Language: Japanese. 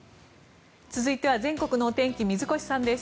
続いては全国の天気水越さんです。